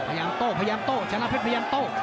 พยานโตพยานโตชนะเพชรพยานโต